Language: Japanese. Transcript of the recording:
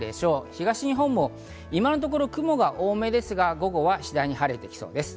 東日本も今のところ雲が多めですが、午後は次第に晴れてきそうです。